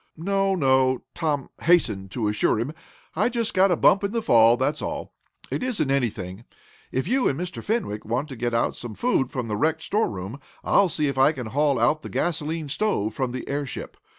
"No no," Tom hastened to assure him. "I just got a bump in the fall that's all. It isn't anything. If you and Mr. Fenwick want to get out some food from the wrecked store room I'll see if I can haul out the gasolene stove from the airship.